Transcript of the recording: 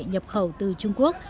nhập khẩu từ trung quốc